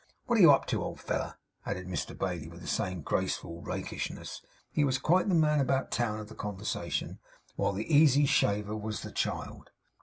'Wot are you up to, old feller?' added Mr Bailey, with the same graceful rakishness. He was quite the man about town of the conversation, while the easy shaver was the child.